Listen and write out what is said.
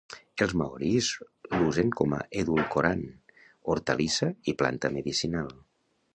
Els maoris l'usen com a edulcorant, hortalissa i planta medicinal.